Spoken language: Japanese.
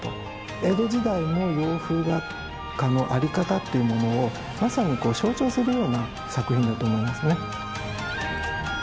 江戸時代の洋風画家の在り方っていうものをまさにこう象徴するような作品だと思いますね。